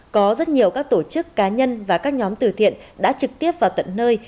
có rất nhiều các tổ chức cá nhân và các nhóm từ thiện đã trực tiếp vào tận nơi